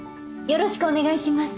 よろしくお願いします。